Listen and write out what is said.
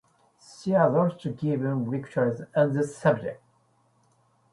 She has also given lectures on the subject.